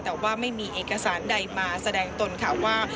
แต่ว่าไม่มีเอกสารใดมาแสดงตนค่ะว่า